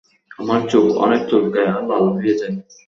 আমার চোখ অনেক চুলকায় আর লাল হয়ে যায়।